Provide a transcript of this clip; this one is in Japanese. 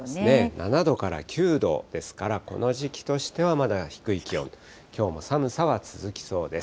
７度から９度ですから、この時期としてはまだ低い気温、きょうも寒さは続きそうです。